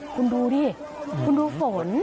คุณดูดิคุณดูฝน